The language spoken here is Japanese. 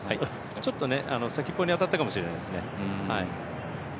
ちょっとね、先っぽに当たったかもしれないですよね。